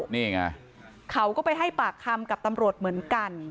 นี่ไงเขาก็ไปให้ปากคำกับตำรวจเหมือนกัน